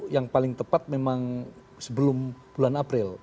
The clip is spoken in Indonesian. yang paling tepat memang sebelum bulan april